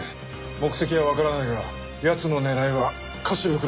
目的はわからないが奴の狙いは菓子袋の船だ。